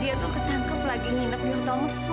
dia tuh ketangkep lagi nginep di hotel musuh